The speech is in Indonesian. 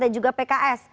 dan juga pks